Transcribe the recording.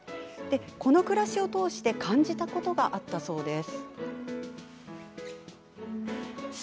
この暮らしを通して感じたことがあったそうです。